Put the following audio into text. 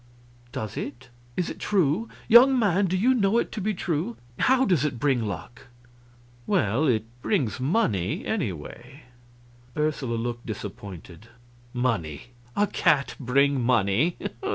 "Does it? Is it true? Young man, do you know it to be true? How does it bring luck?" "Well, it brings money, anyway." Ursula looked disappointed. "Money? A cat bring money?